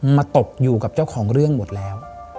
ตกอยู่กับเจ้าของเรื่องหมดแล้ว